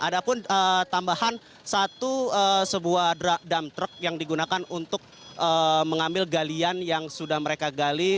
ada pun tambahan satu sebuah dump truck yang digunakan untuk mengambil galian yang sudah mereka gali